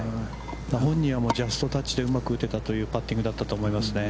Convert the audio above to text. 本人はジャストタッチでうまく打てたというパッティングだったと思いますね。